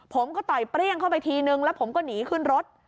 ต่อยเปรี้ยงเข้าไปทีนึงแล้วผมก็หนีขึ้นรถ